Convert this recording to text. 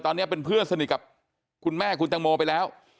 ตอนนี้เป็นเพื่อนสนิทกับคุณแม่คุณตังโมไปแล้ว